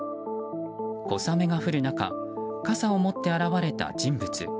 小雨が降る中傘を持って現れた人物。